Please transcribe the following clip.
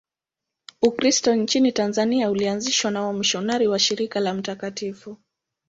Ukristo nchini Tanzania ulianzishwa na wamisionari wa Shirika la Mt.